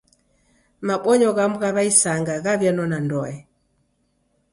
Mabonyo ghamu gha w'aisanga ghaw'ianona ndoe.